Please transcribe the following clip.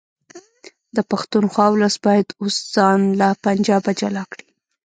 د پښتونخوا ولس باید اوس ځان له پنجابه جلا کړي